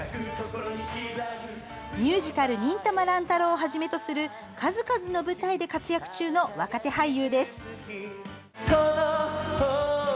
ミュージカル「忍たま乱太郎」をはじめとする数々の舞台で活躍中の若手俳優です。